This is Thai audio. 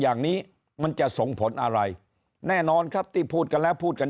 อย่างนี้มันจะส่งผลอะไรแน่นอนครับที่พูดกันแล้วพูดกัน